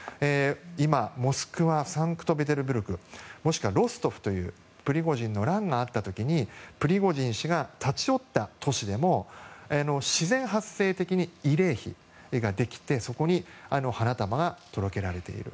今、モスクワサンクトペテルブルクもしくはロストフというプリゴジンの乱があった時にプリゴジン氏が立ち寄った都市でも自然発生的に慰霊碑ができてそこに花束が手向けられている。